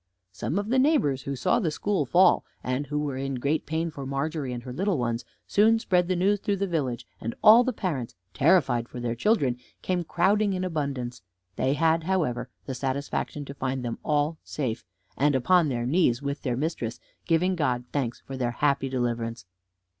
Some of the neighbors who saw the school fall, and who were in great pain for Margery and her little ones, soon spread the news through the village, and all the parents, terrified for their children, came crowding in abundance; they had, however, the satisfaction to find them all safe, and upon their knees with their mistress, giving God thanks for their happy deliverance.